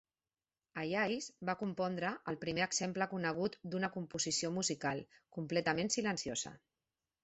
Allais va compondre el primer exemple conegut d'una composició musical completament silenciosa.